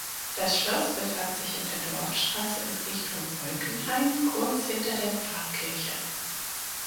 Das Schloss befand sich in der Dorfstraße in Richtung Bolkenhain kurz hinter der Pfarrkirche.